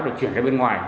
để chuyển ra bên ngoài